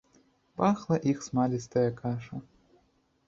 Пахла іх смалістая каша.